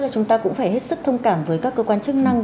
chúng ta cũng phải hết sức thông cảm với các cơ quan chức năng